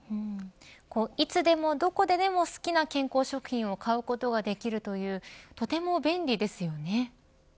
いつでも、どこででも好きな健康食品を買うことができるというとても便利ですよね。